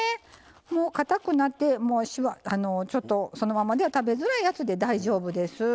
もうかたくなってちょっとそのままでは食べづらいやつで大丈夫です。